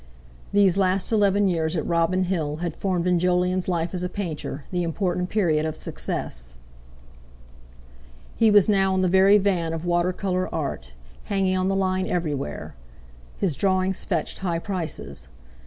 These last eleven years at Robin Hill had formed in Jolyon's life as a painter, the important period of success. He was now in the very van of water colour art, hanging on the line everywhere. His drawings fetched high prices.